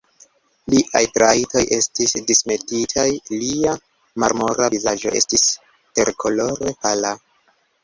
Liaj trajtoj estis dismetitaj; lia marmora vizaĝo estis terkolore pala.